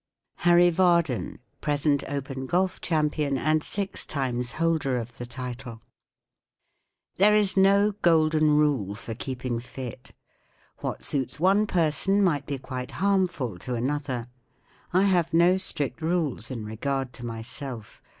HARRY VARDON* Present Open Golf Champion, and six timet holder of the title* There is no golden rule for keeping fit. What suits one per¬ son might be quite harmful to another. I have no strict rules in regard to myself.